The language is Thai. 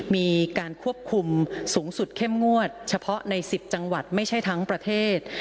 มีการควบคุมสูงสุดเข้มงวดเฉพาะใน๑๐จังหวัดไม่ใช่ทั้งประเทศ